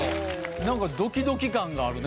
何かドキドキ感があるね